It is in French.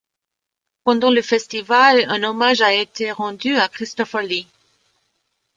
Pendant le festival, un hommage a été rendu à Christopher Lee.